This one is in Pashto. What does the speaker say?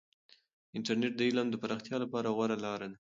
انټرنیټ د علم د پراختیا لپاره غوره لاره ده.